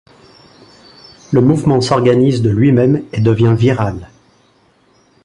Le mouvement s'organise de lui-même et devient viral.